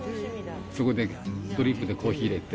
そこでドリップでコーヒー入れて。